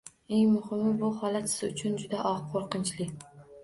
Eng muhimi bu holat siz uchun juda qo’rqinchli